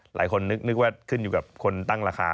หลายคนนึกว่าขึ้นอยู่กับคนตั้งราคา